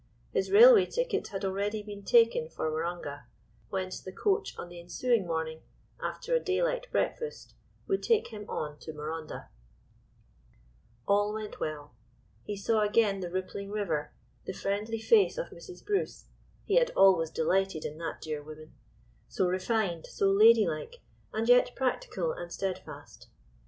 His railway ticket had already been taken for Waronga, whence the coach on the ensuing morning, after a daylight breakfast, would take him on to Marondah. All went well. He saw again the rippling river, the friendly face of Mrs. Bruce—he had always delighted in that dear woman—so refined, so ladylike, and yet practical and steadfast.